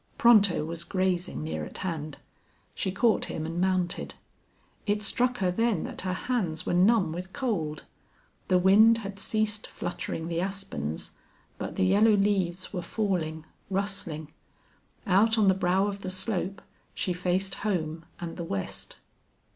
Pronto was grazing near at hand. She caught him and mounted. It struck her then that her hands were numb with cold. The wind had ceased fluttering the aspens, but the yellow leaves were falling, rustling. Out on the brow of the slope she faced home and the west.